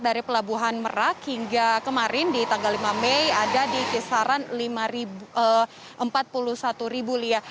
dari pelabuhan merak hingga kemarin di tanggal lima mei ada di kisaran empat puluh satu ribu lia